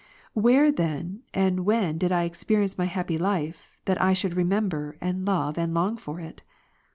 31. Where then and when did I experience my happy life, that I should remember, and love, and long for it